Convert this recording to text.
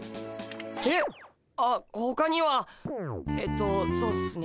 えっ？あほかにはえっとそうっすね